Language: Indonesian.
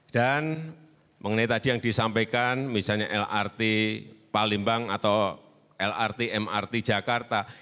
dan mengenai tadi yang disampaikan misalnya lrt palembang atau lrt mrt jakarta